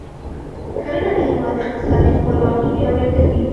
کرنه د هیواد اقتصادي خپلواکي پیاوړې کوي.